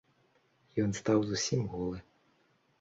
Ён стаў зусім голы.